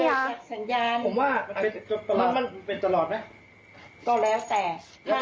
ไม่หรอกสัญญาณอะไรพี่ก็บอกสัญญาณอะไรคะ